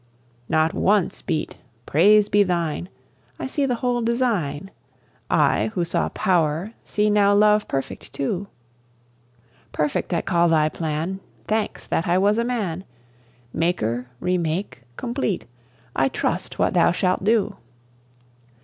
Not once beat "Praise be Thine! I see the whole design, I, who saw power, see now love perfect too: Perfect I call Thy plan: Thanks that I was a man! Maker, remake, complete, I trust what Thou shalt do!"